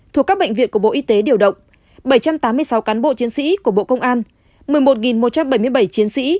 thuộc các bệnh viện của bộ y tế điều động bảy trăm tám mươi sáu cán bộ chiến sĩ của bộ công an một mươi một một trăm bảy mươi bảy chiến sĩ